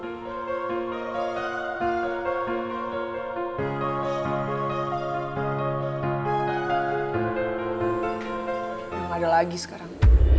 yang ada lagi sekarang